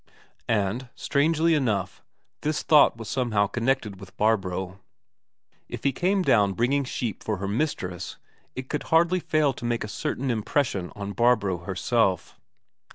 And, strangely enough, this thought was somehow connected with Barbro. If he came down bringing sheep for her mistress it could hardly fail to make a certain impression on Barbro herself.